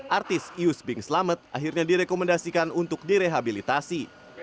artis yus bing slamet akhirnya direkomendasikan untuk direhabilitasi